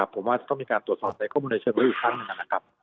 ผมว่าต้องมีการตรวจสอบในข้อมูลในเชิงลึกอีกครั้งหนึ่งนะครับ